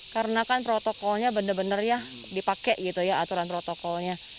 karena kan protokolnya bener bener ya dipakai gitu ya aturan protokolnya